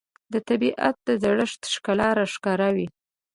د طبیعت د زړښت ښکلا راښکاره وي